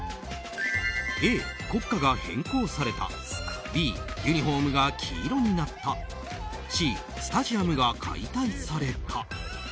Ａ、国歌が変更されたＢ、ユニホームが黄色になったＣ、スタジアムが解体された。